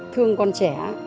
thương con trẻ